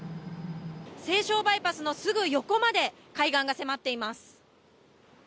西湘バイパスのすぐ横まで海岸が迫っています。